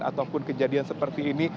ataupun kejadian seperti ini